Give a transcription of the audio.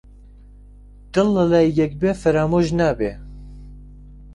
دڵ لە لای یەک بێ فەرامۆش نابێ